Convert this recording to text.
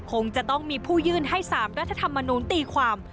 คงจะต้องมีผู้ยื่นให้๓รัฐธรรมนูลตีความ